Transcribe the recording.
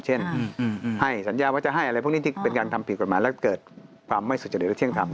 เช่นให้สัญญาว่าจะให้อะไรพวกนี้ที่เป็นการทำผิดกฎหมายแล้วเกิดความไม่สุจริตและเที่ยงธรรม